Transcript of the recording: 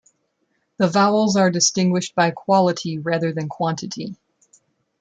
The vowels are distinguished by quality rather than quantity.